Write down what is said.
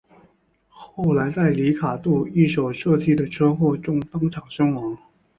后来在里卡度一手设计的车祸中当场身亡。